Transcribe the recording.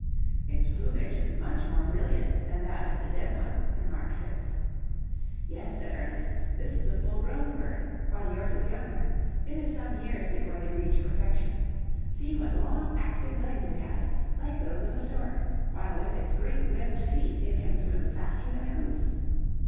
"Its plumage is much more brilliant than that of the dead one," remarked Fritz. "Yes," said Ernest, "this is a full grown bird, while yours is younger; it is some years before they reach perfection. See what long active legs it has, like those of a stork, while with its great webbed feet it can swim faster than a goose.